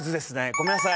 ごめんなさい。